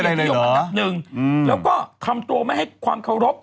แล้วก็ทำตัวมาให้ความเคารพ